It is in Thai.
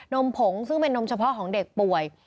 มผงซึ่งเป็นนมเฉพาะของเด็กป่วย